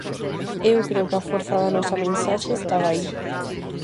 Eu creo que a forza da nosa mensaxe estaba aí.